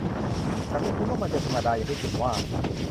ฉันไม่คิดว่า มันจะไม่ธรรมดาอย่างที่คุณว่า